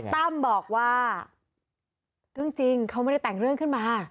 ตั้มบอกว่าเรื่องจริงเขาไม่ได้แต่งเรื่องขึ้นมา